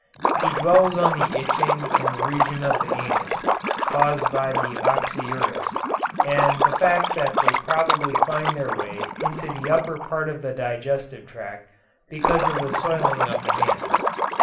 He dwells on the itching in the region of the anus, caused by the oxyuris, and the fact that they probably find their way into the upper part of the digestive tract because of the soiling of the hands.